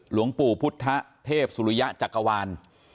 หลวงปู่พุทธเทพสุริยะจักรวาล